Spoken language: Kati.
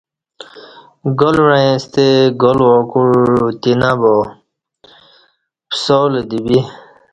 گال وعیں ستہ گال وا کوع اوتینہ با پسالہ دی بی